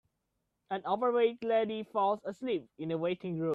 An overweight lady falls asleep in a waiting room.